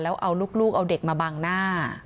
แล้วเอาลูกเอาเด็กมาบังหน้า